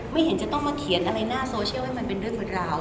เห็นจะต้องมาเขียนอะไรหน้าโซเชียลให้มันเป็นเรื่องเป็นราว